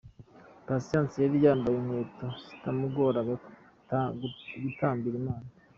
Patient yari yambaye inkweto zitamugoraga gutambira Imana.